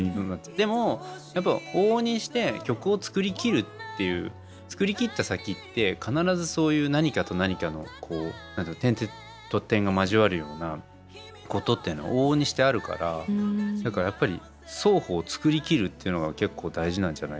でもやっぱ往々にして曲を作りきるっていう作りきった先って必ずそういう何かと何かの点と点が交わるようなことっていうのは往々にしてあるからだからやっぱり双方作りきるってのが結構大事なんじゃないかなっていう。